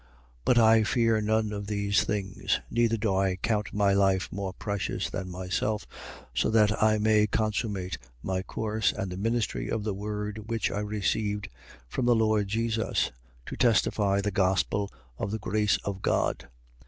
20:24. But I fear none of these things, neither do I count my life more precious than myself, so that I may consummate my course and the ministry of the word which I received from the Lord Jesus, to testify the gospel of the grace of God.